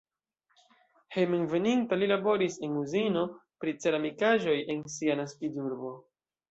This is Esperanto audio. Hejmenveninta li laboris en uzino pri ceramikaĵoj en sia naskiĝurbo.